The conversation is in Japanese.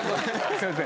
すいません。